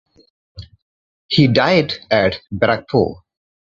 He died at Barrackpur.